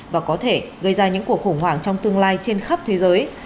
và có thể gây ra những cuộc khủng hoảng trong tương lai trên khắp thế giới